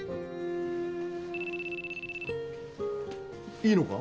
いいのか？